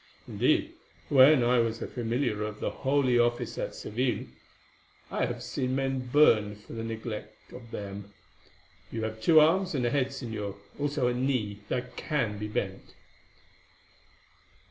Indeed, when I was a familiar of the Holy Office at Seville, I have seen men burned for the neglect of them. You have two arms and a head, Señor, also a knee that can be bent."